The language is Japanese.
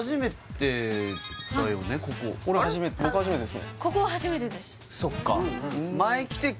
すごい僕初めてですね